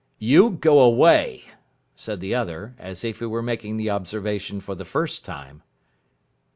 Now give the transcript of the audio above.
"You go away," said the other, as if he were making the observation for the first time.